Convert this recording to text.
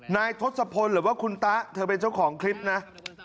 นายทสพนหรือคุณต้าทเป็นเศร้าของคลิปนี้